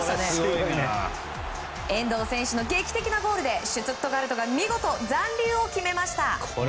遠藤選手の劇的なゴールでシュツットガルトが見事、残留を決めました。